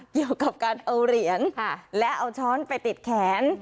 เกี่ยวกับการเอาเหรียญและเอาช้อนไปติดแขน